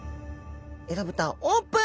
エラ蓋オープン！